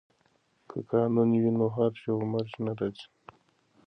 که قانون وي نو هرج و مرج نه راځي.